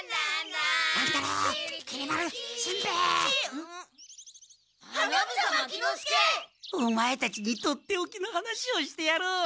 オマエたちにとっておきの話をしてやろう。